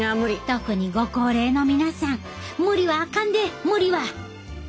特にご高齢の皆さん無理はあかんで無理は！